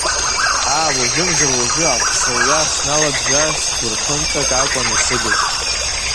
Аа, уажәымзар-уажәы, аԥсылҩа сналаӡҩарц гәырԥынҵак акәын исыгыз.